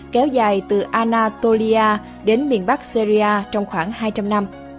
kéo dài từ anatolia đến miền bắc syria trong khoảng hai trăm linh năm